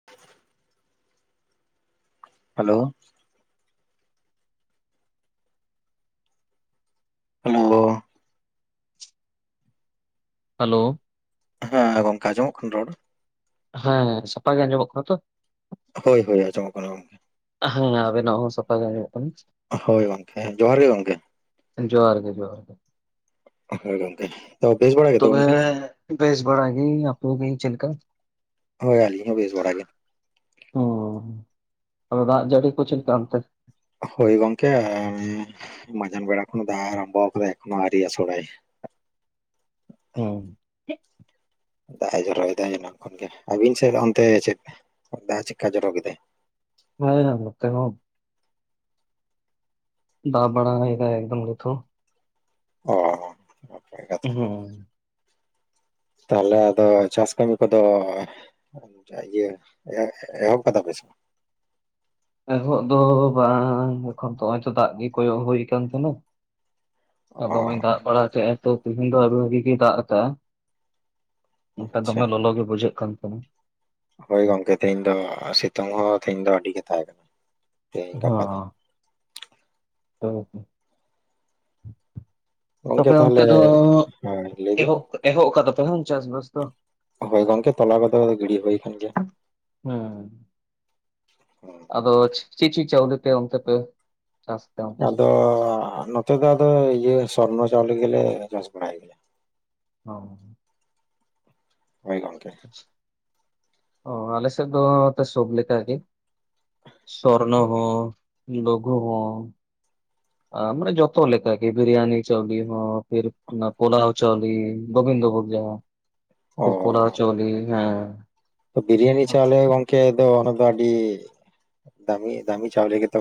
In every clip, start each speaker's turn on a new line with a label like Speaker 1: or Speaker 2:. Speaker 1: [inaudible] Hello [unintelligible]
Speaker 2: hello
Speaker 1: ᱦᱮᱸ ᱜᱚᱝᱠᱮ ᱟᱸᱡᱚᱢᱚᱜ ᱠᱟᱱᱟ ᱨᱚᱲ᱾
Speaker 2: ᱦᱮᱸ ᱥᱟᱯᱷᱟ ᱜᱮ ᱟᱸᱡᱚᱢᱚᱜ ᱠᱟᱱᱟ ᱛᱚ᱾
Speaker 1: ᱦᱳᱭ ᱦᱳᱭ ᱟᱸᱡᱚᱢᱚᱜ ᱠᱟᱱᱟ ᱜᱚᱝᱠᱮ᱾
Speaker 2: ᱦᱮᱸ ᱟᱵᱤᱱᱟᱜ ᱦᱚ ᱥᱟᱯᱷᱟ ᱜᱮ ᱟᱸᱡᱚᱢᱚᱜ ᱠᱟᱱᱟ᱾
Speaker 1: ᱦᱳᱭ ᱜᱚᱢᱠᱮ, ᱡᱚᱦᱟᱨ ᱜᱮ ᱜᱚᱢᱠᱮ᱾
Speaker 2: ᱡᱚᱦᱟᱨ ᱜᱮ ᱡᱚᱦᱟᱨ ᱜᱮ᱾
Speaker 1: ᱦᱳᱭ ᱜᱚᱝᱠᱮ ᱚ ᱵᱮᱥ ᱵᱟᱲᱟ ᱜᱮ᱾
Speaker 2: ᱛᱚᱵᱮ ᱵᱮᱥ ᱵᱟᱲᱟ ᱜᱮᱭᱟ. ᱧ, ᱟᱯᱮ ᱠᱚᱜᱤ ᱪᱮᱫ ᱞᱮᱠᱟ?
Speaker 1: ᱦᱳᱭ ᱟᱹᱞᱤᱧ ᱦᱚᱸ ᱵᱮᱥ ᱵᱟᱲᱟ ᱜᱮ᱾
Speaker 2: ᱦᱚ, ᱫᱟᱜ ᱡᱟᱹᱲᱤ ᱠᱚ ᱪᱮᱫᱠᱟ ᱚᱱᱛᱮ᱾
Speaker 1: ᱦᱳᱭ ᱜᱚᱝᱠᱮ ᱢᱟᱡᱟᱱ ᱵᱮᱲᱟ ᱠᱷᱚᱱ ᱫᱟᱜ ᱮ ᱟᱨᱟᱢᱵᱚ ᱟᱠᱟᱫᱟᱭ ᱮᱠᱷᱚᱱᱚ ᱟᱣᱨᱤᱭ ᱟᱥᱳᱲᱟᱭ᱾
Speaker 2: ᱦᱚᱸ
Speaker 1: ᱫᱟᱜ ᱮ ᱡᱚᱨᱚᱮᱫᱟ ᱱᱤᱛᱚᱜ ᱠᱷᱚᱱᱜᱮ, ᱟᱵᱤᱱ ᱥᱮᱫ ᱜᱚᱝᱠᱮ ᱪᱮᱫ ᱫᱟᱜ ᱪᱮᱛᱠᱟ ᱡᱚᱨᱚ ᱠᱮᱫᱟ?
Speaker 2: ᱦᱚᱭ ᱱᱚᱛᱮ ᱦᱚᱸᱵ ᱫᱟ ᱵᱟᱲᱟ ᱮᱫᱟᱭ ᱮᱠᱫᱚᱢ ᱱᱤᱛ ᱦᱚᱸ᱾
Speaker 1: ᱦᱚ ᱦᱚ ᱱᱮᱛᱷᱟᱨ ᱠᱟᱛᱷᱟ
Speaker 2: ᱦᱩᱸ
Speaker 1: ᱛᱟᱦᱟᱞᱮ ᱟᱫᱚ ᱪᱟᱥ ᱠᱟᱹᱢᱤ ᱠᱚᱫᱚ ᱤᱭᱟ. ᱮ ᱮᱦᱚᱵ ᱠᱟᱫᱟ ᱯᱮ ᱥᱮ
Speaker 2: ᱮᱦᱚᱜ ᱫᱚ ᱵᱟᱝ ᱮᱠᱷᱚᱱ ᱛᱚ ᱫᱟᱜ ᱜᱤ ᱠᱚᱭᱚᱜ ᱦᱩᱭ ᱟᱠᱟᱱ ᱛᱟᱦᱮᱱᱟ᱾
Speaker 1: ᱚ
Speaker 2: ᱟᱫᱚ ᱦᱚᱭ ᱫᱟᱜ ᱵᱟᱲᱟ ᱠᱮᱭᱟ ᱛᱚ ᱛᱤᱦᱤᱧ ᱫᱚ ᱟᱫᱚ ᱟᱹᱰᱤ ᱵᱷᱟᱜᱤ ᱜᱤ ᱫᱟᱜ ᱮᱫᱟ᱾ ᱱᱚᱛᱮ
Speaker 1: ᱟᱪᱪᱷᱟ
Speaker 2: ᱫᱚᱢᱮ ᱞᱚᱞᱚ ᱜᱮ ᱵᱩᱡᱷᱟᱹᱜ ᱠᱟᱱ ᱛᱟᱢᱟ᱾
Speaker 1: ᱦᱳᱭ ᱜᱚᱝᱠᱮ ᱛᱮᱦᱮᱧ ᱫᱚ ᱥᱮᱛᱳᱝ ᱦᱚᱸ ᱛᱮᱦᱮᱧ ᱫᱚ ᱟᱰᱤ ᱜᱮ ᱛᱟᱦᱮᱸ ᱠᱟᱱᱟ᱾ ᱛᱮᱦᱮᱧ ᱜᱟᱯᱟ ᱫᱚ
Speaker 2: ᱦᱚᱸ [unintelligible]
Speaker 1: ᱜᱚᱝᱠᱮ
Speaker 2: ᱛᱚᱵᱮ
Speaker 1: ᱛᱟᱦᱚᱞᱮ
Speaker 2: ᱚᱱᱛᱮ ᱫᱚ
Speaker 1: ᱦᱳᱭ ᱞᱟᱹᱭᱵᱤᱱ
Speaker 2: ᱮᱦᱚᱵ ᱮᱦᱚᱵ ᱟᱠᱟᱫᱟᱯᱮ ᱦᱮᱵᱟᱝ ᱪᱟᱥᱵᱟᱥ ᱫᱚ᱾
Speaker 1: ᱦᱳᱭ ᱜᱚᱝᱠᱮ ᱛᱚᱞᱟ ᱠᱚᱫᱚ ᱜᱤᱲᱤ ᱦᱳᱭ ᱠᱟᱱ ᱜᱮᱭᱟ᱾
Speaker 2: ᱦᱩᱸ᱾ ᱟᱫᱚ ᱪᱤᱱ ᱪᱤᱱ ᱪᱟᱣᱞᱮ ᱚᱱᱛᱮ ᱯᱮ ᱪᱟᱥ? ᱛᱮ ᱚᱱᱛᱮ ᱫᱚ?
Speaker 1: ᱟᱫᱚ ᱱᱚᱛᱮ ᱫᱚ ᱟᱫᱚ ᱤᱭᱟᱹ ᱥᱚᱨᱱᱚ ᱪᱟᱣᱞᱮ ᱜᱮᱞᱮ ᱪᱟᱥ ᱵᱟᱲᱟᱭ ᱜᱮᱭᱟ।
Speaker 2: ᱚᱸ
Speaker 1: ᱦᱳᱭ ᱜᱚᱝᱠᱮ᱾
Speaker 2: ᱟᱪᱪᱷᱟ, ᱚ ᱟᱞᱮ ᱥᱮᱫ ᱫᱚ ᱥᱚᱵᱽ ᱞᱮᱠᱟ ᱜᱮ᱾ ᱥᱚᱨᱱᱚ ᱦᱚᱸ ᱞᱳᱜᱳ ᱦᱚᱸ᱾ ᱟ ᱢᱟᱱᱮ ᱡᱚᱛᱚ ᱞᱮᱠᱟ ᱜᱤ ᱵᱤᱨᱤᱭᱟᱱᱤ ᱪᱚᱣᱞᱤ ᱦᱚᱸ ᱯᱷᱤᱨ ᱚᱱᱟ ᱯᱳᱞᱟᱣ ᱪᱚᱣᱞᱤ᱾ ᱜᱚᱵᱤᱱᱫᱚ ᱵᱷᱳᱜ
Speaker 1: ᱚ
Speaker 2: ᱡᱟᱦᱟᱸ ᱯᱳᱞᱟᱣ ᱪᱚᱣᱞᱤ, ᱦᱮᱸ᱾
Speaker 1: ᱵᱤᱨᱤᱭᱟᱱᱤ ᱪᱟᱣᱞᱮ ᱜᱚᱝᱠᱮ ᱫᱚ ᱚᱱᱟ ᱫᱚ ᱟᱰᱤ ᱫᱟᱢᱤ ᱫᱟᱢᱤ ᱪᱟᱣᱞᱮ ᱜᱮᱛᱚ᱾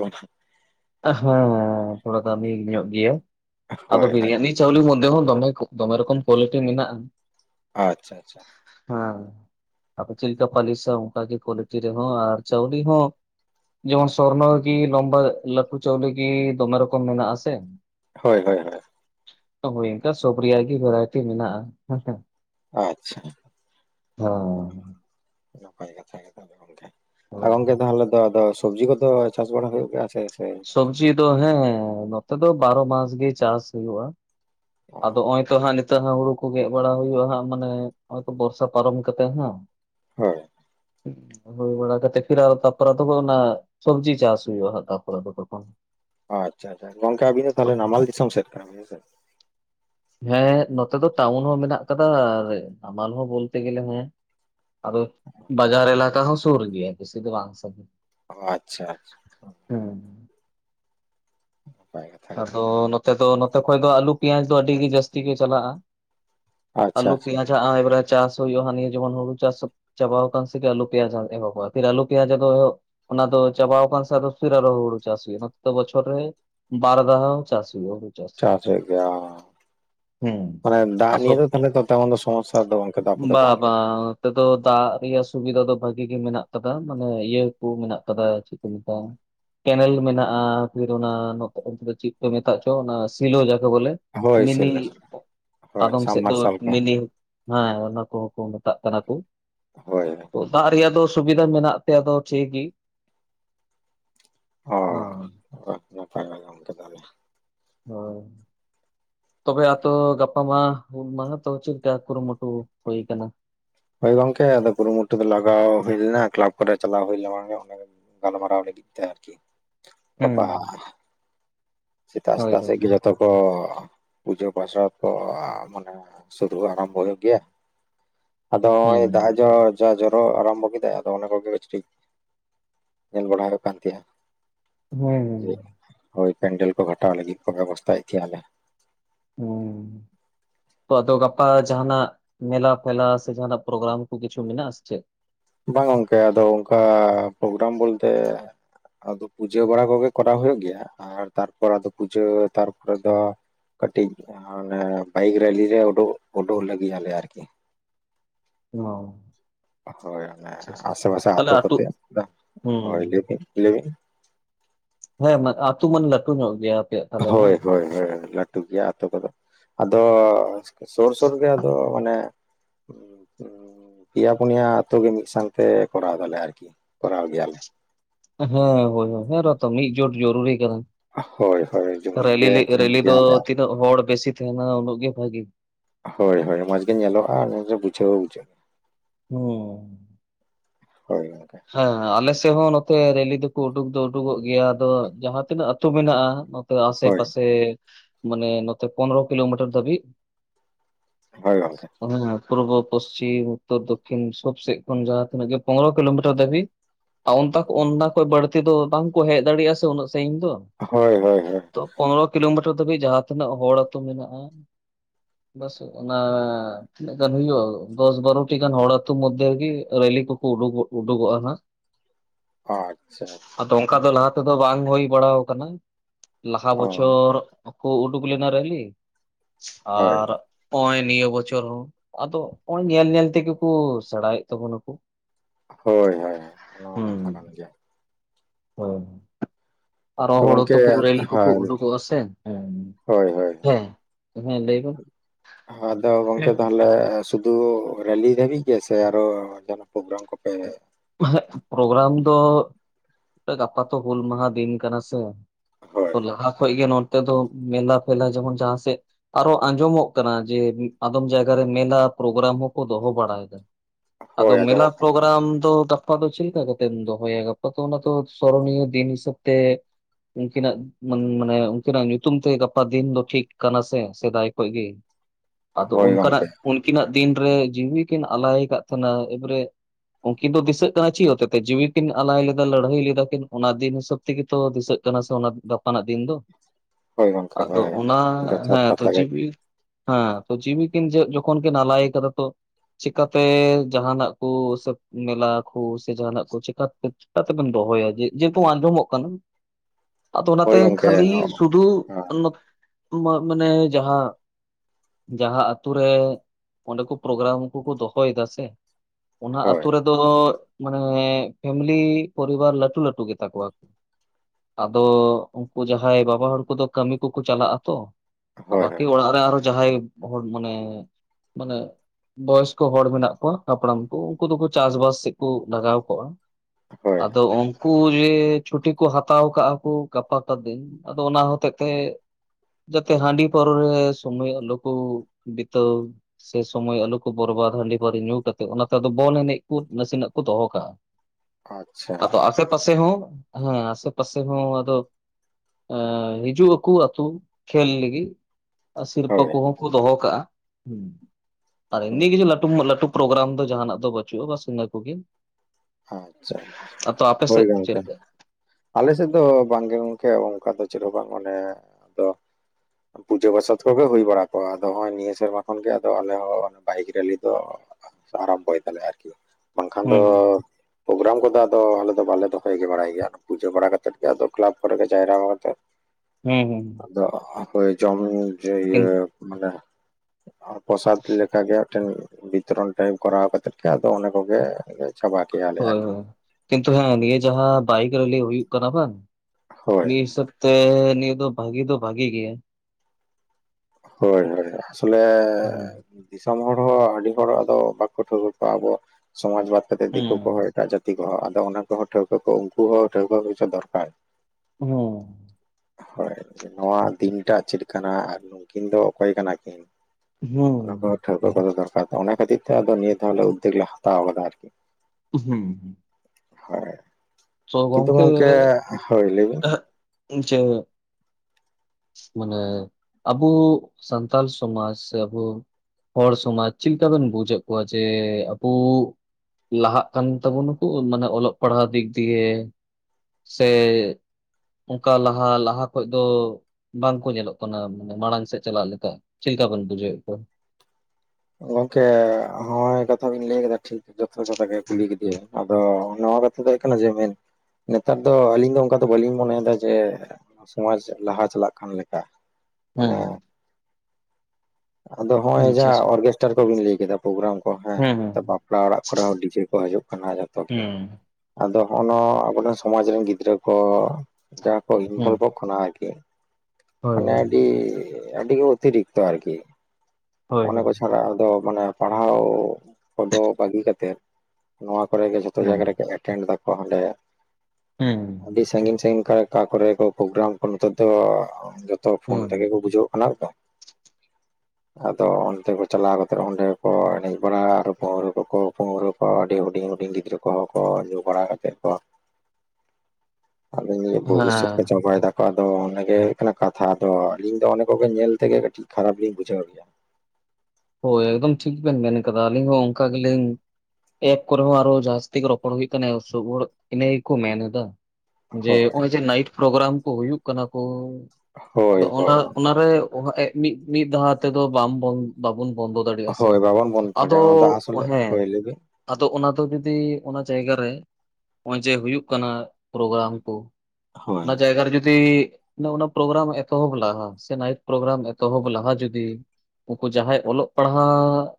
Speaker 2: ᱟᱜᱦᱚᱸ ᱛᱷᱚᱲᱟ ᱫᱟᱢᱤ ᱧᱚᱜ ᱜᱮᱭᱟ ᱟᱫᱚ
Speaker 1: ᱦᱳᱭ ᱦᱳᱭ
Speaker 2: ᱵᱤᱨᱭᱟᱱᱤ ᱪᱟᱣᱞᱮ ᱢᱚᱫᱽᱫᱷᱮ ᱦᱚᱸ ᱫᱚᱢᱮ ᱫᱚᱢᱮ ᱨᱚᱠᱚᱢ ᱠᱚᱣᱟᱞᱤᱴᱤ ᱢᱮᱱᱟᱜᱼᱟ᱾
Speaker 1: ᱟᱪᱪᱷᱟ ᱟᱪᱪᱷᱟ᱾
Speaker 2: ᱦᱮᱸ ᱟᱫᱚ ᱪᱮᱫ ᱞᱮᱠᱟ ᱯᱟᱹᱞᱤᱥᱟ ᱚᱱᱠᱟ ᱜᱮ ᱠᱚᱣᱟᱞᱤᱴᱤ ᱨᱮ ᱦᱚᱸ ᱟᱨ ᱪᱟᱹᱣᱞᱤ ᱦᱚᱸ᱾ ᱡᱮᱢᱚᱱ ᱥᱚᱨᱱᱚ ᱠᱤ ᱞᱚᱢᱵᱟ ᱞᱟᱹᱴᱩ ᱪᱟᱣᱞᱮ ᱜᱤ ᱫᱚᱢᱮ ᱨᱚᱠᱚᱢ ᱢᱮᱱᱟᱜᱼᱟ ᱥᱮ᱾
Speaker 1: ᱦᱳᱭ ᱦᱳᱭ ᱦᱳᱭ᱾
Speaker 2: ᱦᱳᱭ ᱤᱱᱠᱟᱹ ᱥᱚᱵᱽ ᱨᱮᱭᱟᱜ ᱜᱮ ᱵᱷᱮᱨᱟᱭᱴᱤ ᱢᱮᱱᱟᱜᱼᱟ, ᱦᱮ ᱥᱮ᱾
Speaker 1: ᱟᱪᱪᱷᱟ, ᱱᱟᱯᱟᱭ ᱠᱟᱛᱷᱟ ᱜᱮ ᱛᱟᱦᱚᱞᱮ ᱜᱚᱝᱠᱮ᱾
Speaker 2: ᱦᱳᱭ
Speaker 1: ᱟᱨ ᱜᱚᱝᱠᱮ ᱛᱟᱦᱚᱞᱮ ᱫᱚ ᱟᱫᱚ ᱥᱚᱵᱽᱡᱤ ᱠᱚ ᱫᱚ ᱪᱟᱥ ᱵᱟᱲᱟ ᱦᱩᱭᱩᱜ ᱜᱮᱭᱟ ᱥᱮ ᱮᱭᱥᱮᱭ?
Speaker 2: ᱥᱚᱵᱽᱡᱤ ᱫᱚ ᱦᱮᱸ ᱱᱚᱛᱮ ᱫᱚ ᱵᱟᱨᱚ ᱢᱟᱥ ᱜᱮ ᱪᱟᱥ ᱦᱩᱭᱩᱜᱼᱟ।
Speaker 1: ᱚ
Speaker 2: ᱟᱫᱚ ᱦᱚᱜᱼᱚᱭ ᱛᱚ ᱦᱟᱸᱜ ᱱᱤᱛᱚᱜ ᱦᱟᱸᱜ ᱦᱩᱲᱩ ᱠᱚ ᱜᱮᱫ ᱵᱟᱲᱟ ᱦᱩᱭᱩᱜᱼᱟ ᱦᱟᱸᱜ ᱢᱟᱱᱮ ᱦᱚᱜ-ᱚᱭ ᱛᱚ ᱵᱚᱨᱥᱟ ᱯᱟᱨᱚᱢ ᱠᱟᱛᱮᱜ ᱦᱟᱸᱜ᱾
Speaker 1: ᱦᱩᱸ᱾
Speaker 2: ᱦᱩᱭ ᱵᱟᱲᱟ ᱠᱟᱛᱮ ᱯᱷᱤᱨ ᱟᱨᱦᱚᱸ ᱛᱟᱨᱯᱚᱨᱮ ᱛᱚ ᱚᱱᱟ ᱥᱚᱵᱽᱡᱤ ᱪᱟᱥ ᱦᱩᱭᱩᱜᱼᱟ, ᱦᱟᱸᱜ ᱛᱟᱯ ᱯᱚᱨᱮ ᱫᱚ ᱛᱚᱠᱷᱚᱱ ᱾
Speaker 1: ᱟᱪᱪᱷᱟ ᱟᱪᱪᱷᱟ, ᱜᱚᱝᱠᱮ ᱟᱹᱵᱤᱱ ᱫᱚ ᱛᱟᱦᱚᱞᱮ ᱱᱟᱢᱟᱞ ᱫᱤᱥᱚᱢ ᱥᱮᱫ ᱠᱟᱱᱟ ᱵᱤᱱ ᱦᱮᱸ ᱥᱮ?
Speaker 2: ᱦᱮᱸ ᱱᱚᱛᱮ ᱫᱚ ᱴᱟᱣᱩᱱ ᱦᱚᱸ ᱢᱮᱱᱟᱜ ᱠᱟᱫᱟ ᱟᱨ ᱱᱟᱢᱟᱞ ᱦᱚᱸ ᱵᱚᱞᱛᱮ ᱜᱮ ᱞᱮ ᱦᱮᱸ᱾ ᱟᱫᱚ ᱵᱟᱡᱟᱨ ᱮᱞᱟᱠᱟ ᱦᱚᱸ ᱥᱩᱨ ᱜᱮᱭᱟ ᱵᱮᱥᱤ ᱫᱚ ᱵᱟᱝ ᱥᱟᱺᱜᱤᱧ ᱾
Speaker 1: ᱚ ᱟᱪᱪᱷᱟ ᱟᱪᱪᱷᱟ᱾
Speaker 2: ᱦᱩᱸ᱾
Speaker 1: ᱱᱟᱯᱟᱭ ᱠᱟᱛᱷᱟ ᱜᱮ
Speaker 2: ᱟᱫᱚ
Speaker 1: ᱛᱟᱦᱚᱞᱮ
Speaker 2: ᱱᱚᱛᱮ ᱫᱚ ᱱᱚᱛᱮ ᱠᱷᱚᱡ ᱫᱚ ᱟᱹᱞᱩ ᱯᱮᱸᱭᱟᱡᱽ ᱫᱚ ᱟᱹᱰᱤ ᱜᱮ ᱡᱟᱹᱥᱛᱤ ᱜᱮ ᱪᱟᱞᱟᱜᱼᱟ᱾
Speaker 1: ᱟᱪᱪᱷᱟ
Speaker 2: ᱟᱞᱩ
Speaker 1: ᱟᱪᱪᱷᱟ
Speaker 2: ᱯᱮᱸᱭᱟᱡᱽ [unintelligible] ᱪᱟᱥ ᱦᱩᱭᱩᱜᱼᱟ ᱦᱟᱸᱜ ᱱᱤᱭᱟᱹ ᱡᱮᱢᱚᱱ ᱦᱩᱲᱩ ᱪᱟᱥ ᱪᱟᱵᱟᱣ ᱟᱠᱟᱱ ᱥᱮ ᱟᱹᱞᱩ ᱯᱮᱸᱭᱟᱡᱽ ᱦᱚᱸ ᱮᱦᱚᱵᱚᱜ-ᱟ, ᱯᱷᱤᱨ ᱟᱹᱞᱩ ᱯᱮᱸᱭᱟᱡ ᱟᱫᱚ ᱚᱱᱟ ᱫᱚ ᱪᱟᱵᱟᱣ ᱟᱠᱟᱱ ᱥᱮ ᱟᱨᱦᱚᱸ ᱯᱷᱤᱨ ᱟᱨᱦᱚ ᱦᱩᱲᱩ ᱪᱟᱥ ᱦᱩᱭᱩᱜ-ᱟ, ᱱᱚᱛᱮ ᱫᱚ ᱵᱚᱪᱷᱚᱨ ᱨᱮ ᱵᱟᱨ ᱫᱟᱦᱟᱣ ᱪᱟᱥ ᱦᱩᱭᱩᱜᱼᱟ ᱦᱩᱲᱩ᱾
Speaker 1: ᱪᱟᱥ ᱦᱩᱭᱩᱜ ᱜᱮᱭᱟ ᱚᱻ᱾
Speaker 2: ᱦᱮᱸ
Speaker 1: ᱢᱟᱱᱮ ᱫᱟᱜ
Speaker 2: ᱟᱨ ᱥᱚᱵ
Speaker 1: ᱱᱤᱭᱟᱹ ᱫᱚ ᱛᱟᱞᱦᱮ ᱛᱚ ᱛᱮᱢᱚᱱ ᱫᱚ ᱥᱚᱢᱚᱥᱟ ᱫᱚ ᱜᱚᱝᱠᱮ ᱫᱚ ᱟᱯᱮ ᱫᱚ ᱵᱟᱝ ᱜᱮᱛᱚ᱾
Speaker 2: ᱱᱚᱛᱮ ᱫᱚ ᱫᱟᱜ ᱨᱮᱭᱟᱜ ᱥᱩᱵᱤᱫᱷᱟ ᱫᱚ ᱵᱷᱟᱹᱜᱤ ᱜᱮ ᱢᱮᱱᱟᱜ ᱠᱟᱫᱟ ᱢᱟᱱᱮ ᱤᱭᱟᱹ ᱠᱩ ᱢᱮᱱᱟᱜ ᱠᱟᱫᱟ ᱪᱮᱫ ᱠᱩ ᱢᱮᱛᱟᱜᱼᱟ᱾ ᱠᱮᱱᱮᱞ ᱢᱮᱱᱟᱜᱼᱟ ᱯᱷᱤᱨ ᱚᱱᱟ ᱱᱚᱛᱮ ᱚᱱᱛᱮ ᱫᱚ ᱪᱮᱫ ᱠᱚ ᱢᱮᱛᱟᱜ ᱪᱚ ᱚᱱᱟ ᱥᱤᱞᱳ ᱡᱟᱠᱮ ᱵᱚᱞᱮ᱾
Speaker 1: ᱦᱳᱭ
Speaker 2: ᱢᱤᱱᱤ
Speaker 1: ᱥᱮᱞᱚ
Speaker 2: [unintelligible]
Speaker 1: ᱦᱳᱭ
Speaker 2: ᱟᱫᱚᱢ
Speaker 1: ᱥᱟᱵ
Speaker 2: ᱥᱮᱫ ᱫᱚ
Speaker 1: ᱢᱟᱨᱥᱟᱞ ᱠᱚ
Speaker 2: ᱢᱤᱱᱤ ᱦᱮᱸ ᱚᱱᱟ ᱠᱚ ᱦᱚᱸ ᱠᱚ ᱢᱮᱛᱟᱜ ᱠᱟᱱᱟ ᱠᱚ᱾
Speaker 1: ᱦᱚᱭ ᱦᱚᱭ
Speaker 2: ᱛᱚ ᱫᱟᱜ ᱨᱮᱭᱟᱜ ᱫᱚ ᱥᱩᱵᱤᱫᱷᱟ ᱢᱮᱱᱟᱜ ᱛᱮ ᱟᱫᱚ ᱴᱷᱤᱠ ᱜᱮ
Speaker 1: ᱚ
Speaker 2: ᱦᱚᱸ
Speaker 1: [unintelligible] ᱱᱟᱯᱟᱭ ᱞᱟᱜᱟᱫ ᱜᱚᱢᱠᱮ ᱛᱟᱦᱚᱞᱮ
Speaker 2: ᱦᱚᱭ ᱛᱚᱵᱮ ᱟᱛᱳ ᱜᱟᱯᱟ ᱢᱟ ᱦᱩᱞ ᱢᱟᱦᱟ ᱛᱚ ᱪᱮᱫ ᱞᱮᱠᱟ ᱠᱩᱨᱩᱼᱢᱩᱴᱩ ᱦᱩᱭ ᱟᱠᱟᱱᱟ?
Speaker 1: ᱦᱚᱭ ᱜᱚᱝᱠᱮ ᱟᱫᱚ ᱠᱩᱨᱩ-ᱢᱩᱴᱩ ᱫᱚ ᱞᱟᱜᱟᱣ ᱦᱩᱭ ᱞᱮᱱᱟ ᱠᱞᱟᱵᱽ ᱠᱚ ᱨᱮ ᱪᱟᱞᱟᱣ ᱦᱩᱭ ᱞᱮᱱᱟ ᱵᱟᱝ ᱜᱮ ᱚᱸᱰᱮ ᱠᱟᱹᱴᱤᱡ᱾ ᱜᱟᱞᱢᱟᱨᱟᱣ ᱞᱟᱹᱜᱤᱫ ᱛᱮ ᱟᱨᱠᱤ
Speaker 2: ᱦᱩᱸ
Speaker 1: ᱜᱟᱯᱟᱼᱼ ᱥᱮᱛᱟᱜ
Speaker 2: ᱦᱳᱭ
Speaker 1: ᱥᱮᱛᱟᱜ
Speaker 2: ᱦᱳᱭ
Speaker 1: ᱥᱮᱫ ᱜᱮ ᱡᱚᱛᱚ ᱠᱚ ᱯᱩᱡᱟᱹ ᱯᱟᱥᱟᱣ ᱠᱚ ᱢᱟᱱᱮᱼᱼ ᱥᱩᱫᱩ ᱟᱨᱟᱢᱵᱚ ᱜᱮᱭᱟ ᱟᱫᱚ ᱱᱚᱜᱼᱚᱭ ᱫᱟᱜᱼᱼ
Speaker 2: ᱦᱩᱸ
Speaker 1: ᱡᱟ ᱡᱚᱨᱚ ᱟᱨᱟᱢ ᱵᱚᱜ ᱠᱮᱫᱟᱭ ᱟᱫᱚ ᱚᱱᱟ ᱠᱚ ᱜᱮ ᱴᱷᱤᱠᱼᱼ ᱧᱮᱞ ᱵᱟᱲᱟ ᱦᱩᱭᱩᱜ ᱠᱟᱱ ᱛᱮᱭᱟ᱾
Speaker 2: ᱦᱮᱸᱻ
Speaker 1: ᱦᱳᱭ ᱯᱮᱱᱰᱮᱞ ᱠᱚ ᱜᱴᱟᱟᱣ ᱞᱟᱹᱜᱤᱫ ᱠᱚ ᱵᱮᱵᱚᱥ ᱛᱟᱭᱮᱫ ᱜᱮᱭᱟᱞᱮ᱾
Speaker 2: ᱦᱩᱸ
Speaker 1: [inaudible]
Speaker 2: ᱛᱚ ᱟᱫᱚ ᱜᱟᱯᱟ ᱡᱟᱦᱟᱸᱱᱟᱜ ᱢᱮᱞᱟ ᱯᱷᱮᱞᱟ ᱥᱮ ᱡᱟᱦᱟᱸᱱᱟᱜ ᱯᱨᱳᱜᱨᱟᱢ ᱠᱚ ᱠᱤᱪᱷᱩ ᱢᱮᱱᱟᱜᱼᱟ ᱪᱮᱫ?
Speaker 1: ᱵᱟᱝ ᱜᱚᱝᱠᱮ ᱟᱫᱚ ᱚᱝᱠᱟ ᱯᱨᱳᱜᱨᱟᱢ ᱵᱚᱞᱛᱮᱼᱼ ᱟᱫᱚ ᱯᱩᱡᱟᱹ ᱵᱟᱲᱟ ᱠᱚᱜᱮ ᱠᱚᱨᱟᱣ ᱦᱩᱭᱩᱜ ᱜᱮᱭᱟ ᱟᱨ ᱛᱟᱨᱯᱚᱨ ᱟᱫᱚ ᱯᱩᱡᱟᱹ ᱛᱟᱨᱯᱚᱨᱮ ᱫᱚᱼᱼ ᱠᱟᱹᱴᱤᱡᱮ ᱵᱟᱭᱤᱠ ᱨᱮᱞᱤ ᱨᱮ ᱚᱰᱳᱜ ᱳᱰᱳᱠ ᱞᱟᱹᱜᱤᱫ ᱞᱮ ᱟᱨᱠᱤ,
Speaker 2: ᱚᱻ
Speaker 1: ᱦᱳᱭ ᱦᱳᱭ ᱟᱥᱮ ᱯᱟᱥᱮ
Speaker 2: ᱛᱟᱦᱚᱞᱮ
Speaker 1: ᱟᱛᱳ
Speaker 2: ᱟᱹᱛᱩ
Speaker 1: ᱠᱚᱛᱮ ᱦᱳᱭ
Speaker 2: ᱦᱩᱸ
Speaker 1: ᱞᱟᱹᱭ ᱵᱤᱱ ᱞᱟᱹᱭ ᱵᱤᱱ
Speaker 2: ᱦᱳᱭ ᱢᱟ ᱟᱹᱛᱩ ᱢᱟᱱ ᱞᱟᱹᱴᱩᱧᱚᱜ ᱜᱮᱭᱟᱼᱼ
Speaker 1: ᱦᱳᱭ ᱦᱭ ᱦᱳᱭ ᱞᱟᱼᱼ ᱞᱟᱹᱴᱩ ᱜᱮᱭᱟ ᱟᱹᱛᱩ ᱠᱚᱫᱚ ᱟᱫᱚ ᱥᱳᱨ ᱥᱳᱨ ᱜᱮ ᱟᱫᱚ ᱢᱟᱱᱮᱼᱼ ᱯᱮᱭᱟ ᱯᱳᱱᱭᱟ ᱟᱛᱳ ᱜᱮ ᱢᱤᱫ ᱥᱟᱶᱛᱮ ᱠᱚᱨᱟᱣ ᱫᱟᱞᱮ ᱟᱨᱠᱤ ᱠᱚᱨᱟᱣ ᱜᱮᱭᱟᱞᱮ᱾
Speaker 2: ᱦᱮᱸ ᱦᱳᱭ ᱦᱳᱭ ᱦᱮᱸ ᱨᱚᱛᱚ ᱢᱤᱫ ᱡᱳᱴ ᱡᱚᱨᱩᱨᱤ ᱠᱟᱱᱟ᱾
Speaker 1: ᱡᱩᱢᱤᱫ
Speaker 2: ᱨᱮᱞᱤ
Speaker 1: ᱜᱮ
Speaker 2: ᱞᱮ
Speaker 1: ᱡᱩᱢᱤᱫ
Speaker 2: ᱨᱮᱞᱤ ᱫᱚ
Speaker 1: ᱜᱮᱭᱟᱞᱮ
Speaker 2: ᱛᱤᱱᱟᱹᱜ ᱦᱚᱲ ᱵᱮᱥᱤ ᱛᱟᱦᱮᱱᱟ ᱩᱱᱟᱹᱜ ᱜᱮ ᱵᱷᱟᱹᱜᱤ᱾
Speaker 1: ᱦᱳᱭ ᱦᱳ ᱢᱚᱸᱡᱽ ᱜᱮ ᱧᱮᱞᱚᱜᱼᱟ ᱵᱩᱡᱷᱟᱹᱣ ᱵᱩᱡᱷᱟᱹᱜᱼᱟᱼᱼ
Speaker 2: ᱦᱩ
Speaker 1: ᱦᱳᱭ
Speaker 2: ᱦᱮᱸ ᱟᱞᱮᱥᱮᱫ ᱦᱚᱸ ᱱᱚᱛᱮ ᱨᱮᱞᱤ ᱫᱚᱠᱚ ᱩᱰᱩᱠ ᱫᱚ ᱩᱰᱩᱠᱚᱜ ᱜᱮᱭᱟ ᱟᱫᱚ ᱡᱟᱦᱟᱸ ᱛᱤᱱᱟᱹᱜ ᱟᱹᱛᱩ ᱢᱮᱱᱟᱜᱼᱟᱼᱼ ᱟᱥᱮ
Speaker 1: ᱦᱳᱭ,
Speaker 2: ᱯᱟᱥᱮ ᱢᱟᱱᱮ ᱱᱚᱛᱮ ᱯᱚᱱᱨᱚ ᱠᱤᱞᱳᱢᱤᱴᱟᱨ ᱫᱷᱟᱹᱵᱤᱡᱼᱼ
Speaker 1: ᱦᱳᱭ ᱜᱚᱝᱠᱮ᱾
Speaker 2: ᱦᱮᱸ ᱯᱩᱨᱵᱚ ᱯᱚᱥᱪᱤᱢ ᱩᱛᱛᱚᱨ ᱫᱚᱠᱠᱷᱤᱱ ᱥᱚᱵ ᱥᱮᱫ ᱠᱷᱚᱱ ᱡᱟᱦᱟᱸ ᱛᱤᱱᱟᱹᱜ ᱜᱮ ᱯᱚᱱᱨᱚᱼᱼ ᱠᱤᱞᱳᱢᱤᱴᱟᱨ ᱫᱷᱟᱹᱵᱤᱡ ᱚᱱᱟ ᱠᱷᱚᱡ ᱵᱟᱹᱲᱛᱤ ᱫᱚ ᱵᱟᱝ ᱠᱚ ᱦᱮᱡ ᱫᱟᱲᱮᱭᱟᱜᱼᱟ ᱥᱮ ᱩᱱᱟᱹᱜ ᱥᱟᱹᱜᱤᱧ ᱫᱚ
Speaker 1: ᱦᱳᱭ ᱦᱳᱭ ᱦᱳᱭ
Speaker 2: ᱛᱚ ᱯᱚᱱᱨᱚ ᱠᱤᱞᱳᱢᱤᱴᱟᱨ ᱫᱷᱟᱹᱵᱤᱡ ᱡᱟᱦᱟᱸ ᱛᱤᱱᱟᱹᱜ ᱦᱚᱲ ᱟᱛᱩ ᱢᱮᱱᱟᱜᱼᱟ᱾ ᱵᱟᱥ ᱚᱱᱟᱼᱼ ᱛᱤᱱᱟᱹᱜ ᱜᱟᱱ ᱦᱩᱭᱩᱜᱼᱟ ᱫᱚᱥ ᱵᱟᱨᱳᱚᱴᱤ ᱜᱟᱱ ᱦᱚᱲ ᱟᱛᱩ ᱢᱚᱫᱽᱫᱷᱮ ᱨᱮᱜᱤ ᱨᱮᱞᱤ ᱠᱚᱠᱚ ᱩᱰᱩᱠᱚᱜᱼᱼ ᱩᱰᱩᱠᱚᱜᱼᱟ ᱱᱟᱦᱟᱜ
Speaker 1: ᱟᱪᱪᱷᱟ,
Speaker 2: ᱟᱫᱚ ᱚᱱᱠᱟ
Speaker 1: ᱚ
Speaker 2: ᱫᱚ ᱞᱟᱦᱟᱼᱼ ᱛᱮ ᱫᱚ ᱵᱟᱝ ᱦᱩᱭ ᱵᱟᱲᱟᱣ ᱠᱟᱱᱟ ᱞᱟᱦᱟ ᱵᱚᱪᱷᱚᱨ ᱠᱚ ᱩᱰᱩᱠ ᱞᱮᱱᱟ ᱨᱤᱞᱤ᱾
Speaker 1: ᱦᱳᱭ,
Speaker 2: ᱟᱨᱼᱼ ᱟᱫᱚ ᱱᱚᱜᱭ ᱱᱤᱭᱟᱹ ᱵᱚᱪᱷᱚᱨ ᱦᱚᱸ ᱟᱫᱚ ᱱᱚᱜᱼᱚᱭ ᱧᱮᱞ ᱧᱮᱞ ᱛᱮᱜᱮ ᱠᱚ ᱥᱮᱬᱟᱭᱮᱫ ᱛᱟᱵᱚᱱᱟᱠᱚ᱾
Speaker 1: ᱦᱳᱭ ᱦᱳᱭ ᱚᱱᱟᱦᱚᱸ ᱠᱟᱛᱷᱟ ᱠᱟᱱ ᱜᱮᱭᱟ᱾
Speaker 2: ᱦᱳᱭ ᱦᱳᱭ ᱟᱨᱚ
Speaker 1: ᱛᱚ
Speaker 2: ᱦᱚᱲ ᱦᱚᱸᱛᱚ
Speaker 1: ᱜᱚᱝᱠᱮ
Speaker 2: ᱠᱚ ᱨᱮᱞᱤ ᱠᱚᱠᱚ
Speaker 1: ᱦᱳᱭ,
Speaker 2: ᱩᱰᱩᱠᱚᱜ ᱟᱥᱮ ᱦᱮᱸ᱾
Speaker 1: ᱦᱳᱭ, ᱦᱳᱭ,
Speaker 2: ᱦᱮᱸ, ᱦᱮᱸ ᱞᱟᱹᱭ ᱵᱮᱱ᱾
Speaker 1: ᱟᱫᱚ ᱜᱚᱝᱠᱮ ᱛᱟᱦᱚᱞᱮ ᱥᱩᱫᱩ ᱨᱮᱞᱤ ᱫᱷᱟᱹᱵᱤᱡ ᱜᱮ ᱥᱮ ᱟᱨᱚ ᱡᱟᱦᱟᱱᱟᱜ ᱯᱨᱳᱜᱨᱟᱢ ᱠᱚᱯᱮ
Speaker 2: ᱯᱨᱳᱜᱨᱟᱢ ᱫᱚ ᱜᱟᱯᱟ ᱛᱚ ᱦᱩᱞ ᱢᱟᱦᱟ ᱫᱤᱱ ᱠᱟᱱᱟ ᱥᱮ
Speaker 1: ᱦᱳᱭ,
Speaker 2: ᱞᱟᱦᱟ ᱠᱷᱚᱡ ᱜᱮ ᱱᱚᱛᱮ ᱫᱚ ᱢᱮᱞᱟ ᱯᱷᱮᱞᱟ ᱡᱮᱢᱚᱱ ᱡᱟᱦᱟᱸ ᱥᱮᱫ ᱟᱨᱚ ᱟᱸᱡᱚᱢᱚᱜ ᱠᱟᱱᱟ ᱡᱮ ᱟᱫᱚᱢ ᱡᱟᱭᱜᱟ ᱨᱮ ᱢᱮᱞᱟ ᱯᱨᱳᱜᱨᱟᱢ ᱦᱚᱸᱠᱚ ᱫᱚᱦᱚ ᱵᱟᱲᱟᱭᱮᱫᱟ᱾ ᱟᱫᱚ
Speaker 1: ᱦᱳᱭ
Speaker 2: ᱢᱮᱞᱟ
Speaker 1: ᱟᱸᱡᱚᱢᱚᱜ ᱠᱟᱱ ᱜᱮᱭᱟ,
Speaker 2: ᱯᱨᱳᱜᱨᱟᱢ ᱫᱚ ᱜᱟᱯᱟ ᱫᱚ ᱪᱮᱫ ᱞᱮᱠᱟ ᱠᱟᱛᱮᱢ ᱫᱚᱦᱚᱭᱟ ᱜᱟᱯᱟ ᱛᱚ ᱚᱱᱟ ᱛᱚ ᱥᱚᱨᱚᱨᱚᱱᱤᱭᱚ ᱫᱤᱱ ᱦᱤᱥᱟᱹᱵ ᱛᱮ ᱩᱱᱠᱤᱱᱟᱜ ᱢᱟᱱᱮ ᱩᱱᱠᱤᱱᱟᱜ ᱧᱩᱛᱩᱢ ᱛᱮ ᱜᱟᱯᱟ ᱫᱤᱱ ᱫᱚ ᱴᱷᱤᱠ ᱠᱟᱱᱟ ᱥᱮ ᱥᱮᱫᱟᱭ ᱠᱷᱚᱡ ᱜᱤ᱾ ᱟᱫᱚ
Speaker 1: ᱦᱳᱭ
Speaker 2: ᱚᱱᱠᱟᱱᱟᱜ
Speaker 1: ᱜᱚᱝᱠᱮ,
Speaker 2: [unintelligible] ᱤᱱᱟᱹᱜ ᱫᱤᱱ ᱨᱮ ᱡᱤᱣᱤ ᱠᱤᱱ ᱟᱞᱟᱭ ᱠᱟᱫ ᱛᱟᱦᱮᱸᱱᱟ ᱮᱵᱟᱨᱮ ᱩᱱᱠᱤᱱ ᱫᱚ ᱫᱤᱥ ᱫᱤᱥᱟᱹᱜ ᱠᱟᱱᱟ ᱪᱮᱫ ᱦᱚᱛᱮ ᱛᱮ ᱡᱤᱣᱤ ᱠᱤᱱ ᱟᱞᱟᱭ ᱞᱮᱫᱟ ᱞᱟᱹᱲᱦᱟᱹᱭ ᱞᱮᱫᱟ ᱠᱤᱱ ᱚᱱᱟ ᱫᱤᱱ ᱦᱤᱥᱟᱹᱵ ᱛᱮᱜᱮ ᱛᱚ ᱫᱤᱥᱟᱹᱜ ᱠᱟᱱᱟ ᱥᱮ ᱾ ᱜᱟᱯᱟᱱᱟᱜ ᱫᱤᱱ ᱫᱚ
Speaker 1: ᱦᱳᱭ
Speaker 2: [inaudible]
Speaker 1: ᱜᱚᱝᱠᱮ,
Speaker 2: ᱟᱫᱚ
Speaker 1: ᱦᱳᱭ,
Speaker 2: ᱚᱱᱟ
Speaker 1: ᱡᱚᱛᱷᱟᱛ
Speaker 2: ᱦᱮᱸ ᱛᱚ
Speaker 1: ᱠᱟᱛᱷᱟ
Speaker 2: ᱪᱤ
Speaker 1: ᱜᱮ,
Speaker 2: ᱦᱮᱸ ᱛᱚ ᱡᱤᱣᱤᱠᱤᱱ ᱡᱠᱷᱚᱱ ᱠᱤᱱ ᱟᱞᱟᱭ ᱠᱟᱫᱟ ᱛᱚ ᱪᱮᱠᱟᱛᱮ ᱡᱟᱦᱟᱸᱱᱟᱜ ᱠᱩ ᱥᱮ ᱢᱮᱞᱟ ᱠᱩ ᱥᱮ ᱡᱟᱦᱱᱟᱜ ᱠᱚ ᱪᱠᱟᱛᱮ ᱪᱤᱠᱟᱛᱮᱵᱮᱱ ᱫᱚᱦᱚᱭᱟᱮ ᱡᱮᱦᱮᱛᱩ ᱟᱸᱡᱚᱢᱚᱜ ᱠᱟᱱᱟ᱾ ᱟᱫᱚ
Speaker 1: ᱦᱳᱭ
Speaker 2: ᱚᱱᱟᱛᱮ
Speaker 1: ᱜᱚᱝᱠᱮ,
Speaker 2: ᱠᱷᱟᱹᱞᱤ ᱥᱩᱫᱩ
Speaker 1: ᱦᱳᱭ,
Speaker 2: [inaudible] ᱢᱟ ᱢᱟᱱᱮ ᱡᱟᱦᱟᱸ ᱡᱟᱦᱟᱸ ᱟᱛᱩᱨᱮ ᱚᱸᱰᱮᱠᱩ ᱯᱨᱳᱜᱨᱟᱢ ᱠᱩᱠᱚ ᱫᱚᱦᱚᱭᱮᱫᱟ ᱥᱮ ᱚᱱᱟ
Speaker 1: ᱦᱳᱭ,
Speaker 2: ᱟᱹᱛᱩᱳ ᱨᱮᱫᱚ ᱢᱟᱱᱮ ᱯᱷᱮᱢᱮᱞᱤ ᱯᱚᱨᱤᱵᱟᱨ ᱞᱟᱹᱴᱩ ᱞᱟᱹᱴᱩ ᱜᱮᱛᱟ ᱠᱚᱣᱟ᱾ ᱟᱫᱚ ᱩᱱᱠᱩ ᱡᱟᱦᱟᱸᱭ ᱵᱟᱵᱟ ᱦᱚᱲ ᱠᱚᱫᱚ ᱠᱟᱹᱢᱤ ᱠᱚᱠᱚ ᱪᱟᱞᱟᱜ ᱟᱛᱚ ᱟᱵᱟᱨ
Speaker 1: ᱦᱳᱭ᱾
Speaker 2: ᱵᱟᱠᱤ ᱚᱲᱟᱜ ᱨᱮ ᱟᱨᱚ ᱡᱟᱦᱟᱸᱟᱭ ᱦᱚᱲ ᱢᱟᱱᱮ ᱢᱟᱱᱮ ᱵᱚᱭᱚᱥᱠᱚ ᱦᱚᱲ ᱢᱮᱱᱟᱜ ᱠᱚᱣᱟ ᱦᱟᱯᱲᱟᱢ ᱠᱚ ᱩᱱᱠᱩ ᱫᱚᱠᱚ ᱪᱟᱥ ᱵᱟᱥ ᱪᱮᱫ ᱠᱚ ᱞᱟᱜᱟᱣ ᱠᱚᱜᱼᱟ
Speaker 1: ᱦᱳᱭ,
Speaker 2: ᱟᱫᱚ ᱩᱱᱠᱩ ᱩᱱᱠᱩ ᱡᱮ ᱪᱷᱩᱴᱤ ᱠᱚ ᱦᱟᱛᱟᱣ ᱠᱟᱜᱼᱟ ᱠᱚ ᱜᱟᱯᱟᱴᱟ ᱫᱤᱱ ᱟᱫᱚ ᱚᱱᱟ ᱦᱚᱛᱮᱜ ᱛᱮ ᱡᱟᱛᱮ ᱦᱟᱺᱰᱤ ᱯᱟ. ᱣᱨᱟᱹ ᱨᱮ ᱥᱚᱢᱚᱭ ᱟᱞᱩᱠᱚ ᱵᱤᱛᱟᱹᱣ ᱥᱮ ᱥᱚᱢᱚᱭ ᱟᱞᱚ ᱠᱚ ᱵᱚᱨᱵᱟᱫᱽ ᱦᱟᱺᱰᱤ ᱵᱟᱹᱨᱤ ᱧᱩ ᱠᱟᱛᱮᱫ ᱚᱱᱟᱛᱮ ᱟᱫᱚ ᱵᱚᱱ ᱮᱱᱮᱡ ᱠᱚ ᱱᱟᱥᱮᱱᱟᱜ ᱫᱚᱦᱚ ᱠᱟᱜᱼᱟ [inaudible]
Speaker 1: ᱟᱪᱪᱷᱟ
Speaker 2: ᱟᱫᱚ ᱟᱥᱮ ᱯᱟᱥᱮ ᱦᱚᱸ ᱦᱮᱸ ᱟᱥᱮ ᱯᱟᱥᱮ ᱦᱚᱸ ᱟᱫᱚ ᱮ ᱦᱤᱡᱩᱜ ᱟᱠᱚ ᱟᱛᱳ ᱠᱷᱮᱞ ᱞᱟᱹᱜᱤᱫ᱾ ᱥᱤᱨᱯᱟᱹ
Speaker 1: ᱦᱳᱭ,
Speaker 2: ᱠᱚᱦᱚᱸ ᱠᱚ ᱫᱚᱦᱚ ᱠᱟᱜᱼᱟ, ᱦᱮᱸ ᱟᱨ ᱮᱢᱱᱤ
Speaker 1: ᱦᱩᱸ
Speaker 2: ᱞᱟᱹᱴᱩ ᱞᱟᱹᱴᱩ ᱯᱨᱳᱜᱨᱟᱢ ᱫᱚ ᱡᱟᱦᱱᱟᱜ ᱫᱚ ᱵᱟᱹᱪᱩᱜᱼᱟ ᱵᱟᱥ ᱤᱱᱟ. ᱠᱚᱜᱮ᱾
Speaker 1: ᱟᱪᱪᱷᱟ,
Speaker 2: ᱟᱫᱚ ᱟᱯᱮ
Speaker 1: ᱦᱳᱭ
Speaker 2: ᱥᱮᱫ ᱪᱮᱫ
Speaker 1: ᱜᱚᱝᱠᱮ
Speaker 2: ᱞᱮᱠᱟ
Speaker 1: ᱟᱞᱮᱥᱮᱫ ᱫᱚ ᱵᱟᱝᱜᱮ ᱜᱚᱝᱠᱮ ᱚᱱᱠᱟ ᱫᱚ ᱪᱮᱫ ᱦᱚᱸ ᱵᱟᱝ ᱚᱱᱮ ᱫᱚ ᱯᱩᱡᱟᱹ ᱯᱟᱥᱟᱛ ᱠᱚᱜᱮ ᱦᱩᱭ ᱵᱟᱲᱟ ᱠᱚᱜᱼᱟ ᱟᱫᱚ ᱱᱚᱜᱚᱭ ᱱᱤᱭᱟᱹ ᱥᱮᱨᱢᱟ ᱠᱷᱚᱱᱜᱮ ᱟᱫᱚ ᱟᱞᱮ ᱦᱚᱸ ᱵᱟᱭᱤᱠ ᱨᱮᱞᱤ ᱫᱚ ᱟᱨᱟᱢᱵᱷᱚᱭ ᱫᱟᱞᱮ ᱟᱨᱠᱤ ᱵᱟᱝᱠᱷᱟᱱ ᱫᱚ
Speaker 2: ᱦᱩᱸ
Speaker 1: ᱯᱳᱨᱜᱨᱟᱢ ᱠᱚᱫᱚ ᱟᱫᱚ ᱟᱞᱮᱫᱚ ᱵᱟᱞᱮ ᱫᱚᱦᱚᱭ ᱜᱮ ᱵᱟᱲᱟᱭ ᱜᱮᱭᱟ ᱯᱩᱡᱟᱹ ᱵᱟᱲᱟ ᱠᱟᱛᱮᱫ ᱜᱮ ᱟᱫᱚ ᱠᱞᱟᱵᱽ ᱠᱚᱨᱮ ᱜᱮ ᱡᱟᱭᱨᱟ ᱠᱟᱛᱮᱫ [inaudible]
Speaker 2: ᱦᱩᱸ ᱦᱩᱸ,
Speaker 1: ᱚᱠᱚᱭ ᱡᱚᱢ
Speaker 2: ᱠᱤᱱ
Speaker 1: ᱡᱤᱭᱟᱹ ᱢᱟᱱᱮ [unintelligible] ᱟᱨ ᱯᱨᱚᱥᱟᱫ ᱞᱮᱠᱟᱜᱮ ᱢᱤᱫᱴᱮᱱ ᱵᱤᱛᱚᱨᱚᱱ ᱴᱟᱭᱤᱯ ᱠᱚᱨᱟᱣ ᱠᱟᱛᱮᱫ ᱜᱮ ᱟᱫᱚ ᱚᱱᱟ ᱠᱚᱜᱮ ᱪᱟᱵᱟᱭᱮ
Speaker 2: ᱦᱳᱭ ᱦᱳᱭ ᱠᱤᱱᱛᱩ ᱦᱮᱸ ᱱᱤᱭᱟᱹ ᱡᱟᱦᱟᱸ ᱵᱟᱭᱤᱠ ᱨᱮᱞᱤ ᱦᱩᱭᱩᱜ ᱠᱟᱱᱟ ᱵᱟᱝ?
Speaker 1: ᱦᱳᱭ
Speaker 2: ᱱᱤᱭᱟᱹ ᱦᱤᱥᱟᱹᱵ ᱛᱮ ᱱᱤᱭᱟᱹ ᱫᱚ ᱵᱷᱟᱹᱜᱤ ᱫᱚ ᱵᱷᱟᱹᱜᱤ ᱜᱮᱭᱟ᱾
Speaker 1: ᱦᱳᱭ ᱦᱭ ᱟᱥᱚᱞᱮᱻ
Speaker 2: ᱦᱩᱸ
Speaker 1: ᱫᱤᱥᱚᱢ ᱦᱚᱲ ᱦᱚᱸ ᱟᱹᱰᱤ ᱦᱚᱲ ᱟᱫᱚ ᱵᱟᱠᱚ ᱴᱷᱟᱹᱣᱠᱟᱹ ᱠᱚᱣᱟ ᱟᱵᱚ ᱥᱚᱢᱟᱡ ᱵᱟᱫ ᱠᱟᱛᱮ
Speaker 2: ᱦᱩᱸ
Speaker 1: ᱫᱤᱠᱩ ᱠᱚᱦᱚᱸ ᱮᱴᱟᱜ ᱡᱟᱹᱛᱤ ᱜᱟᱛᱮ ᱠᱚᱦᱚᱸ ᱟᱫᱚ ᱚᱱᱟ ᱠᱚᱦᱚᱸ ᱴᱷᱟᱹᱣᱠᱟᱹ ᱩᱱᱠᱩ ᱦᱚᱸ ᱴᱷᱟᱹᱣᱠᱟᱹ ᱯᱩᱭᱥᱟ ᱫᱚᱨᱠᱟᱨ᱾
Speaker 2: ᱦᱩᱸ᱾
Speaker 1: ᱦᱚᱭ ᱱᱚᱣᱟ ᱫᱤᱱᱴᱟᱜ ᱪᱮᱫ ᱠᱟᱱᱟ ᱟᱨ ᱱᱩᱠᱤᱱ ᱫᱚ ᱚᱠᱚᱭ ᱠᱟᱱᱟ ᱠᱤᱱ᱾
Speaker 2: ᱦᱩᱸ᱾
Speaker 1: ᱴᱷᱟᱹᱣᱠᱟ ᱚᱫᱚ ᱫᱚᱨ ᱠᱟᱨ ᱚᱱᱟ ᱠᱷᱟᱹᱛᱤᱨ ᱛᱮ ᱟᱫ ᱱᱤᱭᱟᱹᱫᱷᱟᱣᱞᱮ ᱩᱫᱽᱫᱮᱜ ᱞᱮ ᱦᱟᱛᱟᱣ ᱟᱠᱟᱫᱟ ᱟᱨᱠᱤ᱾
Speaker 2: ᱩᱦᱩᱸ᱾
Speaker 1: ᱦᱚᱭ᱾ ᱠᱤᱱᱛᱩ ᱜᱚᱢᱠᱮ ᱦᱚᱭ ᱞᱟᱹᱭᱵᱤᱱ᱾
Speaker 2: ᱪᱮ ᱢᱟᱱᱮ ᱟᱵᱚ ᱥᱟᱱᱛᱟᱞ ᱥᱚᱢᱟᱡᱽ ᱥᱮ ᱟᱵᱚ ᱦᱚᱲ ᱥᱚᱢᱟᱡᱽ ᱪᱮᱫᱠᱟᱵᱮᱱ ᱵᱩᱡᱮᱫ ᱠᱚᱣᱟ ᱡᱮ ᱟᱵᱚ ᱞᱟᱦᱟᱜ ᱠᱟᱱ ᱛᱟᱵᱚᱱᱟᱠᱩ ᱢᱟᱱᱮ ᱚᱞᱚᱜ ᱯᱟᱲᱦᱟᱜ ᱫᱤᱠ ᱫᱤᱭᱮ ᱥᱮ ᱚᱱᱠᱟ ᱞᱟᱦᱟ ᱞᱟᱦᱟ ᱠᱷᱚᱡ ᱫᱚ ᱵᱟᱝᱠᱚ ᱧᱮᱞᱚᱜ ᱠᱟᱱᱟ ᱢᱟᱱᱮ ᱢᱟᱲᱟᱝ ᱥᱮᱫ ᱪᱟᱞᱟᱜ ᱞᱮᱠᱟ᱾ ᱪᱮᱫᱠᱟ ᱵᱚᱱ ᱵᱩᱡᱷᱟᱹᱣᱮᱫ ᱠᱚᱣᱟ?
Speaker 1: ᱜᱚᱝᱠᱮ ᱦᱚᱸᱜᱭ ᱠᱟᱛᱷᱟ ᱵᱤᱱ ᱞᱟᱹᱭ ᱠᱮᱫᱟ ᱴᱷᱤᱠ ᱡᱟᱛᱷᱟ ᱠᱟᱛᱷᱟ ᱜᱮ ᱠᱩᱞᱤ ᱠᱮᱫᱮᱭᱟ᱾ ᱟᱫᱚ ᱱᱚᱣᱟ ᱠᱟᱛᱷᱟ ᱫᱚ ᱦᱩᱭᱩᱜ ᱠᱟᱱᱟ ᱡᱮ ᱢᱮᱱ ᱱᱮᱛᱟᱨ ᱫᱚ ᱟᱞᱤᱧ ᱫᱚ ᱚᱱᱠᱟ ᱫᱚ ᱵᱟᱹᱞᱤᱧ ᱢᱚᱱᱮᱭᱮᱫᱟ ᱡᱮ ᱥᱚᱢᱟᱡ ᱥᱮᱫ ᱞᱟᱦᱟ ᱪᱟᱞᱟᱜ ᱠᱟᱱ ᱞᱮᱠᱟ᱾ ᱢᱟᱱᱮ
Speaker 2: ᱦᱩᱸ᱾
Speaker 1: ᱟᱫᱚ ᱦᱚᱸᱜ ᱚᱭ
Speaker 2: ᱟᱪᱪᱷᱟ ᱟᱪᱪᱷᱟ
Speaker 1: ᱚᱨᱜᱮᱥᱴᱟᱨ ᱠᱚᱵᱤᱱ ᱞᱟᱹᱭ ᱠᱮᱫᱟ ᱯᱨᱚᱜᱨᱟᱢ ᱠᱚ ᱦᱮᱸ᱾ ᱵᱟᱯᱞᱟ ᱚᱲᱟᱜ ᱠᱚᱨᱮ ᱦᱚᱸ ᱰᱤᱡᱮ ᱠᱚ ᱦᱤᱡᱩᱜ ᱠᱟᱱᱟ ᱡᱚᱛᱚ ᱜᱮ᱾
Speaker 2: ᱦᱮᱸ
Speaker 1: ᱟᱫᱚ ᱦᱚᱸᱜᱱᱚᱣ ᱟᱵᱚᱨᱮᱱ ᱥᱚᱢᱟᱡ ᱨᱮᱱ ᱜᱤᱫᱽᱨᱟᱹ ᱠᱚ ᱡᱟᱦᱟᱠᱚ ᱤᱱᱵᱷᱚᱜ
Speaker 2: ᱦᱮᱸ
Speaker 1: ᱠᱟᱱᱟ ᱟᱨᱠᱤ,
Speaker 2: ᱦᱳᱭ
Speaker 1: ᱢᱟᱱᱮ
Speaker 2: ᱦᱳᱭ
Speaker 1: ᱟᱹᱰᱤ ᱟᱹᱰᱤᱜ ᱚᱛᱤᱨᱤᱠᱛ ᱟᱨᱠᱤ᱾
Speaker 2: ᱦᱳᱭ
Speaker 1: ᱚᱱᱮ
Speaker 2: ᱦᱳᱭ
Speaker 1: ᱠᱚ ᱪᱷᱟᱲᱟ ᱟᱫᱚ ᱢᱟᱱᱮ ᱯᱟᱲᱦᱟᱣ ᱠᱚᱫᱚ ᱵᱟᱜᱤ ᱠᱟᱛᱮᱫ᱾ ᱱᱚᱣᱟ ᱠᱚᱨᱮᱜᱮ ᱡᱷᱚᱛᱚ
Speaker 2: ᱦᱮᱸ
Speaker 1: ᱡᱟᱭᱜᱟ ᱨᱮᱜᱮ ᱮᱴᱮᱱᱰ ᱫᱟᱠᱚ ᱦᱟᱸᱰᱮ
Speaker 2: ᱦᱩᱸ᱾
Speaker 1: ᱟᱹᱰᱤ ᱥᱟᱺᱜᱤᱧ ᱥᱟᱺᱜᱤᱧ ᱠᱚᱨᱮ ᱠᱟᱠᱚᱨᱮ ᱯᱚᱜᱨᱟᱢ ᱠᱚ ᱱᱤᱛᱚᱜ ᱫᱚ ᱛᱚ ᱯᱷᱚᱱ
Speaker 2: ᱦᱮᱸ
Speaker 1: ᱛᱮᱜᱮ ᱠᱚ ᱵᱩᱡᱷᱟᱹᱣ ᱠᱟᱱᱟ ᱛᱚ᱾ ᱟᱫᱚ ᱚᱱᱛᱮ ᱠᱚ ᱪᱟᱞᱟᱣ ᱠᱟᱛᱮ ᱚᱸᱰᱮ ᱠᱚ ᱮᱱᱮᱡ ᱵᱟᱲᱟᱭᱟ ᱟᱨ ᱯᱟᱹᱨᱣᱟᱹ ᱠᱚᱠᱚ ᱠᱩᱢᱨᱩ ᱠᱚ ᱟᱹᱰᱤ ᱦᱩᱰᱤᱧ ᱦᱩᱰᱤᱧ ᱜᱤᱫᱽᱨᱟᱹ ᱠᱚᱦᱚᱸ ᱠᱚ ᱧᱩ ᱵᱟᱲᱟ ᱠᱟᱛᱮᱫ ᱠᱚ ᱟᱫᱚ ᱵᱷᱚᱵᱤᱥᱚᱛ ᱠᱚ
Speaker 2: ᱦᱮᱸ
Speaker 1: ᱪᱟᱵᱟᱭᱫᱟ᱾ ᱟᱫᱚ ᱚᱱᱮ ᱜᱮ ᱦᱩᱭᱩᱜ ᱠᱟᱱᱟ ᱠᱟᱛᱷᱟ ᱟᱫᱚ ᱟᱹᱞᱤᱧ ᱫᱚ ᱚᱱᱮ ᱠᱚᱜᱮ ᱧᱮᱞ ᱛᱮᱜᱮ ᱠᱟᱹᱴᱤᱡ ᱠᱷᱟᱨᱟᱯ ᱜᱤᱧ ᱵᱩᱡᱷᱟᱹᱣ ᱜᱮᱭᱟ᱾
Speaker 2: ᱦᱚᱭ ᱮᱠᱫᱚᱢ ᱴᱷᱤᱠ ᱵᱮᱱ ᱢᱮᱱ ᱟᱠᱟᱫᱟ ᱟᱹᱞᱤᱧ ᱦᱚᱸ ᱚᱝᱠᱟ ᱜᱮᱞᱤᱧ ᱮᱯ ᱠᱚᱨᱮ ᱦᱚᱸ ᱟᱨᱚ ᱡᱟᱹᱥᱛᱤ ᱜᱮ ᱨᱚᱯᱚᱲ ᱦᱩᱭᱩᱜ ᱠᱟᱱᱟ ᱥᱚᱜᱚᱲ ᱤᱱᱟᱹ ᱜᱮᱠᱩ ᱢᱮᱱ ᱮᱫᱟ ᱡᱮ
Speaker 1: ᱦᱳᱭ
Speaker 2: ᱱᱚᱜᱼᱚᱭ ᱡᱮ ᱱᱟᱭᱤᱴ ᱯᱨᱚᱜᱨᱟᱢ ᱠᱚ ᱦᱩᱭᱩᱜ ᱠᱟᱱᱟ ᱠᱚ
Speaker 1: ᱦᱳᱭ
Speaker 2: ᱟᱫᱚ ᱚᱱᱟ
Speaker 1: ᱦᱳᱭ ᱜᱚᱝᱠᱮ
Speaker 2: ᱚᱱᱟᱨᱮ ᱢᱤᱫ ᱢᱤᱫ ᱫᱷᱟᱣ ᱛᱮᱫᱚ ᱵᱟᱝ ᱵᱚᱱ ᱵᱟᱵᱚᱱ ᱵᱚᱱᱫᱚ ᱫᱟᱲᱮᱭᱟᱜᱼᱟ ᱥᱮ᱾
Speaker 1: ᱦᱳᱭ ᱵᱟᱵᱚᱱ ᱵᱚᱱᱫᱚ
Speaker 2: ᱟᱫᱚ
Speaker 1: ᱫᱟᱲᱮᱭᱟᱜᱼᱟ ᱚᱱᱟ ᱫᱚ ᱟᱥᱚᱞᱮ
Speaker 2: ᱦᱮᱸ
Speaker 1: ᱦᱳᱭ ᱞᱟᱹᱭᱵᱤᱱ
Speaker 2: ᱟᱫᱚ ᱚᱱᱟ ᱫᱚ ᱡᱩᱫᱤ ᱚᱱᱟ ᱡᱟᱭᱜᱟ ᱨᱮ ᱱᱚᱜᱼᱚᱭ ᱡᱮ ᱦᱩᱭᱩᱜ ᱠᱟᱱᱟ ᱯᱨᱚᱜᱨᱟᱢ ᱠᱚ
Speaker 1: ᱦᱳᱭ
Speaker 2: ᱚᱱᱟ ᱡᱟᱭᱜᱟ ᱨᱮ ᱡᱩᱫᱤ ᱚᱱᱟ ᱯᱨᱚᱜᱨᱟᱢ ᱮᱛᱚᱦᱚᱵ ᱞᱟᱦᱟ ᱥᱮ ᱱᱟᱭᱤᱴ ᱯᱨᱚᱜᱨᱟᱢ ᱮᱛᱚᱦᱚᱵ ᱞᱟᱦᱟ ᱡᱩᱫᱤ ᱩᱱᱠᱩ ᱡᱟᱦᱟᱸᱭ ᱚᱞᱚᱜ ᱯᱟᱲᱦᱟᱣ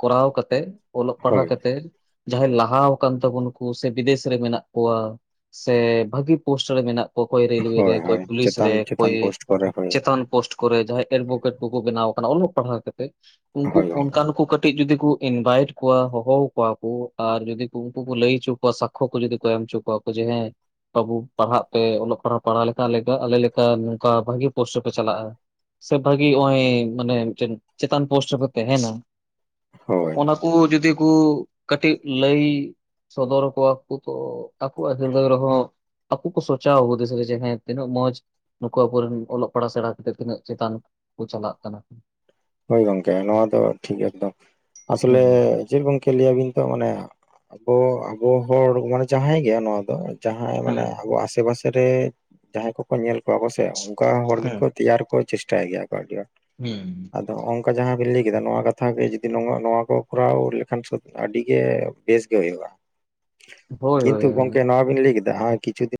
Speaker 2: ᱠᱚᱨᱟᱣ ᱠᱟᱛᱮ ᱚᱞᱚᱜ ᱯᱟᱲᱦᱟᱣ
Speaker 1: ᱦᱳᱭ
Speaker 2: ᱠᱟᱛᱮᱫ ᱡᱟᱦᱟᱸᱭ ᱞᱟᱦᱟ ᱟᱠᱟᱱ ᱛᱟᱵᱚᱱ ᱠᱩ ᱥᱮ ᱵᱤᱫᱮᱥ ᱨᱮ ᱢᱮᱱᱟᱜ ᱠᱚᱣᱟ ᱥᱮ ᱵᱷᱟᱹᱜᱤ ᱯᱚᱥᱴ ᱨᱮ ᱢᱮᱱᱟᱜ ᱚᱠᱚᱭ ᱨᱮᱞᱣᱩ ᱨᱮ
Speaker 1: ᱦᱳᱭ
Speaker 2: ᱚᱠᱚᱭ
Speaker 1: ᱦᱳᱭ
Speaker 2: ᱯᱩᱞᱤᱥ
Speaker 1: ᱪᱮᱛᱟᱱ
Speaker 2: ᱨᱮ
Speaker 1: ᱪᱮᱛᱟᱱ
Speaker 2: ᱚᱠᱚᱭ
Speaker 1: ᱯᱳᱥᱴ ᱠᱚᱨᱮ ᱦᱳᱭ
Speaker 2: ᱪᱮᱛᱟᱱ ᱯᱚᱥᱴ ᱠᱚᱨᱮ ᱡᱟᱦᱟᱸᱭ ᱮᱰᱵᱚᱠᱮᱴ ᱠᱩᱠᱩ ᱵᱮᱱᱟᱣ ᱟᱠᱟᱱᱟ ᱚᱞᱚᱜ ᱯᱟᱲᱦᱟᱣ ᱠᱟᱛᱮᱫ ᱩᱱᱠᱩ
Speaker 1: ᱦᱳᱭ ᱜᱚᱝᱠᱮ
Speaker 2: ᱚᱱᱠᱟᱱ ᱠᱩ ᱠᱟᱹᱴᱤᱡ ᱡᱩᱫᱤ ᱠᱩ ᱤᱱᱵᱷᱟᱭᱤᱴ ᱠᱚᱣᱟ ᱦᱚᱦᱚᱣᱟ ᱠᱚᱣᱟᱠᱩ ᱟᱨ ᱡᱩᱫᱤ ᱩᱱᱠᱩ ᱞᱟᱹᱭ ᱦᱚᱪᱚ ᱠᱩᱣᱟ ᱥᱟᱠᱷᱚ ᱠᱚ ᱡᱩᱫᱤ ᱠᱩ ᱮᱢ ᱦᱚᱪᱚ ᱠᱚᱣᱟᱠᱩ [unintelligible] ᱵᱟᱹᱵᱩ ᱯᱟᱲᱦᱟᱜ ᱯᱮ ᱚᱞᱚᱜ ᱯᱟᱲᱦᱟᱜ ᱯᱟᱲᱦᱟᱣ ᱞᱮᱠᱷᱟᱱ ᱟᱞᱮ ᱞᱮᱠᱟ ᱱᱚᱝᱠᱟ ᱵᱷᱟᱹᱜᱤ ᱯᱳᱥᱴ ᱨᱮᱯᱮ ᱪᱟᱞᱟᱜ-ᱟ᱾ ᱥᱮ ᱵᱷᱟᱹᱜᱤ ᱱᱚᱜ-ᱚᱭ ᱢᱟᱱᱮ ᱢᱤᱫᱴᱮᱱ ᱪᱮᱛᱟᱱ ᱯᱳᱥᱴ ᱨᱮᱯᱮ ᱛᱟᱦᱮᱸᱱᱟ
Speaker 1: ᱦᱳᱭ
Speaker 2: ᱚᱱᱟ᱾ ᱩᱱᱠᱩ ᱡᱩᱫᱤ ᱠᱩ ᱠᱟᱹᱴᱤᱡ ᱞᱟᱹᱭ ᱥᱚᱫᱚᱨ ᱠᱚᱣᱟ ᱠᱚ ᱛᱚᱼᱼ ᱟᱠᱚᱣᱟᱜ ᱫᱤᱞᱫᱟᱜ ᱨᱮᱦᱚᱸ ᱟᱠᱚ ᱠᱩ ᱥᱚᱪᱟᱣ ᱦᱩᱫᱤᱥ ᱨᱮ ᱡᱮ ᱦᱮᱸ ᱛᱤᱱᱟᱹᱜ ᱢᱚᱡᱽᱼᱼ ᱱᱩᱠᱩ ᱟᱵᱚᱨᱮᱱ ᱚᱞᱚᱜ ᱯᱟᱲᱦᱟᱜ ᱥᱮᱬᱟ ᱠᱟᱛᱮ ᱛᱤᱱᱟᱹᱜ ᱪᱮᱛᱟᱱ ᱠᱩ ᱪᱟᱞᱟᱜ ᱠᱟᱱᱟ᱾
Speaker 1: ᱦᱳᱭ ᱜᱚᱝᱠᱮ ᱱᱚᱣᱟ ᱫᱚ ᱴᱷᱤᱠ ᱮᱠᱫᱚᱢ ᱟᱥᱚᱞᱮᱼᱼ
Speaker 2: ᱦᱩᱸ
Speaker 1: ᱪᱮᱫ ᱜᱚᱝᱠᱮ ᱞᱟᱹᱭᱟᱵᱤᱱ ᱛᱚ ᱢᱟᱱᱮ ᱟᱵᱚ ᱟᱵᱚ ᱦᱚᱲ ᱢᱟᱱᱮ ᱡᱟᱦᱟᱸᱭ ᱜᱮ ᱱᱚᱣᱟ ᱫᱚᱼᱼ ᱡᱟᱦᱟᱸᱭ ᱢᱟᱱᱮ
Speaker 2: ᱦᱮᱸ
Speaker 1: ᱟᱵᱚᱣᱟᱜ ᱟᱥᱮ ᱯᱟᱥᱮ ᱨᱮᱼᱼ ᱡᱟᱦᱟᱸᱭ ᱠᱚᱠᱚ ᱧᱮᱞ ᱠᱚᱣᱟ ᱠᱚᱥᱮ ᱚᱝᱠᱟ ᱦᱚᱲ ᱜᱮᱠᱚ ᱛᱮᱭᱟᱨ ᱠᱚ ᱪᱮᱥᱴᱟᱭ ᱜᱮᱭᱟ ᱟᱹᱰᱤ ᱟᱸᱴᱼᱼ
Speaker 2: ᱦᱩᱸ
Speaker 1: ᱟᱫᱚ ᱱᱚᱝᱠᱟ ᱡᱟᱦᱟᱸ ᱵᱤᱱ ᱞᱟᱹᱭ ᱠᱮᱫᱟ ᱱᱚᱣᱟ ᱠᱟᱛᱷᱟ ᱜᱮ ᱡᱩᱫᱤ ᱱᱚᱣᱟ ᱠᱚ ᱠᱚᱨᱟᱣ ᱞᱮᱠᱷᱟᱱ ᱥᱚᱛ ᱟᱹᱰᱤᱜᱮᱼᱼ ᱵᱮᱥ ᱜᱮ ᱦᱩᱭᱩᱜ-ᱟ
Speaker 2: ᱦᱳᱭ
Speaker 1: ᱠᱤᱱᱛᱩ
Speaker 2: ᱦᱳᱭ
Speaker 1: ᱜᱚᱝᱠᱮ ᱱᱚᱣᱟ ᱵᱤᱱ ᱞᱟᱹᱭ ᱠᱮᱫᱟ ᱱᱚᱜ-ᱚᱭ ᱠᱤᱪᱷᱩ ᱫᱤᱱᱼᱼ